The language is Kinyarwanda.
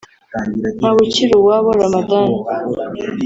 Ntawukiruwabo Ramadhan